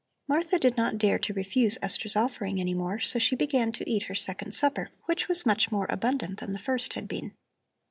Martha did not dare to refuse Esther's offering any more, so she began to eat her second supper, which was much more abundant than the first had been.